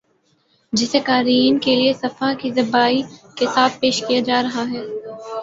جسے قارئین کے لیے صفحہ کی زیبائی کے ساتھ پیش کیا جارہاہے